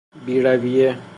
بیرویه